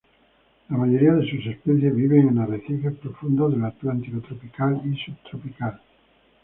La mayoría de sus especies viven en arrecifes profundos del Atlántico tropical y subtropical.